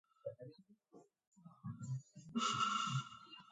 კერძოდ, არსებობენ მონაკვეთები, რომელთა სიგრძე რაციონალური რიცხვით არ გამოისახება.